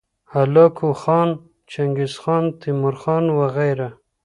هلاکو خان، چنګیزخان، تیمورخان وغیره